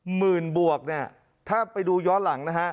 หมื่นบวกถ้าไปดูย้อนหลัง